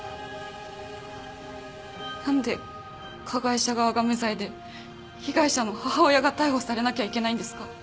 何で加害者側が無罪で被害者の母親が逮捕されなきゃいけないんですか。